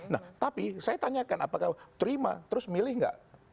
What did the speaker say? nah tapi saya tanyakan apakah terima terus milih nggak